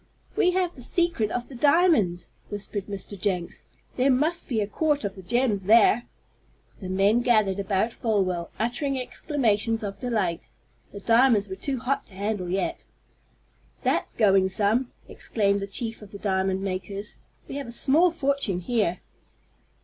"We have the secret of the diamonds!" whispered Mr. Jenks. "There must be a quart of the gems there!" The men gathered about Folwell, uttering exclamations of delight. The diamonds were too hot to handle yet. "That's going some!" exclaimed the chief of the diamond makers. "We have a small fortune here."